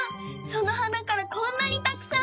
その花からこんなにたくさん？